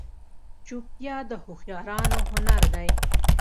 چوپتیا، د هوښیارانو هنر دی.